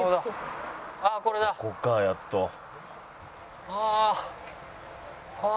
「ここかやっと」ああ。